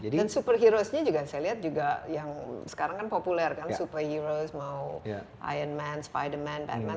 dan super heroesnya juga saya lihat juga yang sekarang kan populer kan super heroes mau iron man spiderman batman